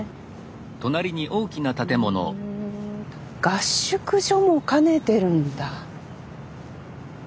合宿所も兼ねてるんだ。